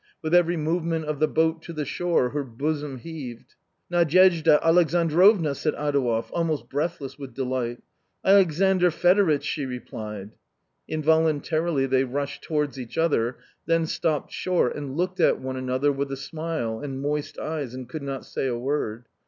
With every movement of the boat to the shore, her bosom heaved. " Nadyezhda Alexandrovna !" said Adouev, almost breath less with delight. " Alexandr Fedoritch I " she replied. Involuntarily they rushed towards each other, then stopped short, and looked at one another with a smile and moist eyes, and could not say a word.